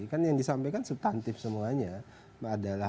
kan yang disampaikan subtantif semuanya adalah